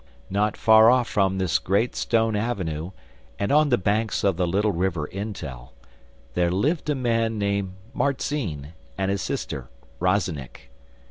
Not far off them this great stone avenue, and on the banks of the little river Intel, there lived a man named Marzinne and his sister Rozennik.